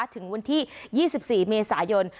ถึงวันที่๒๔เมษายน